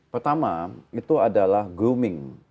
pertama itu adalah grooming